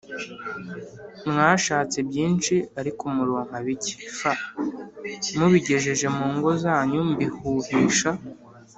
Mwashatse byinshi ariko muronka bike f mubigejeje mu ngo zanyu mbihuhisha